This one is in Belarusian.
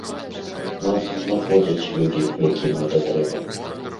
Нас знаходзяць людзі, якім гэта трэба.